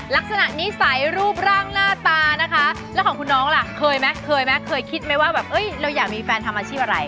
ลักษณะนิสัยรูปร่างหน้าตาแล้วของคุณน้องล่ะเคยมั้ยคิดไหมว่าเราอยากมีแฟนทำอาชีพอะไร